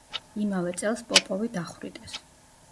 იმავე წელს პოპოვი დახვრიტეს.